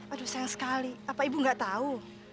aduh sayang sekali apa ibu nggak tahu